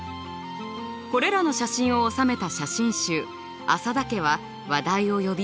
これらの写真を収めた写真集「浅田家」は話題を呼び映画化。